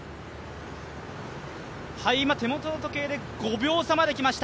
今、手元の時計で５秒差まできました。